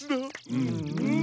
うんうん。